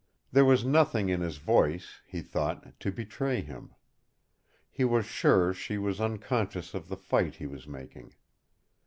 There was nothing in his voice, he thought, to betray him. He was sure she was unconscious of the fight he was making.